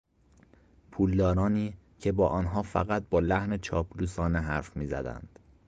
پولدارانی که با آنها فقط با لحن چاپلوسانه حرف میزدند